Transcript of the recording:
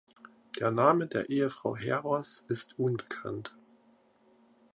Der Name der Ehefrau Heros ist unbekannt.